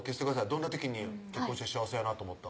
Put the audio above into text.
どんな時に結婚して幸せやなと思った？